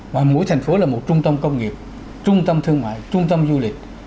và mỗi thành phố là một trung tâm công nghiệp trung tâm thương mại trung tâm du lịch